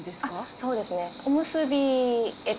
そうですね。